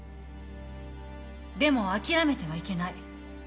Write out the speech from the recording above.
でも諦めてはいけない。